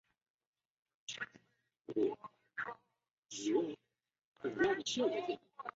万炜在大兴县东建曲水园。